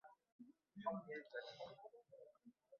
আমার ভাইয়ের বিপদের রাত দীর্ঘ হল।